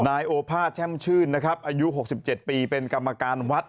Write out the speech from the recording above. นายโอภาษแช่มชื่นนะครับอายุ๖๗ปีเป็นกรรมการวัด